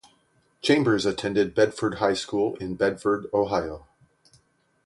Chambers attended Bedford High School in Bedford, Ohio.